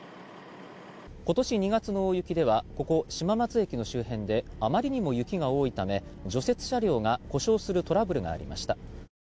今年２月の大雪では島松駅の周辺であまりにも雪が多いため除雪車両が故障するトラブルがありました。